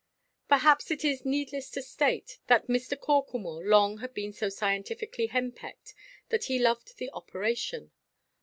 Perhaps it is needless to state that Mr. Corklemore long had been so scientifically henpecked that he loved the operation.